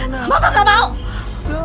mama gak mau